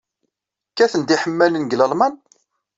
Kkaten-d yiḥemmalen deg Lalman?